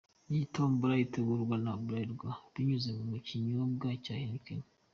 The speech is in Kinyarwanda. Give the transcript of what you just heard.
Iyi tombola itegurwa na Bralirwa binyuze mu kinyobwa cya 'Heineken'.